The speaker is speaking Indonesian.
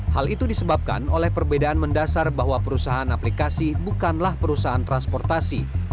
hal itu disebabkan oleh perbedaan mendasar bahwa perusahaan aplikasi bukanlah perusahaan transportasi